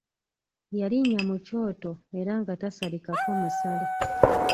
Yalinnya mu kyoto era nga tasalikako musale.